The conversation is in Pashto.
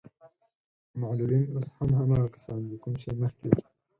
معلولين اوس هم هماغه کسان دي کوم چې مخکې وو.